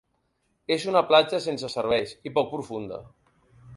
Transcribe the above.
És una platja sense serveis i poc profunda.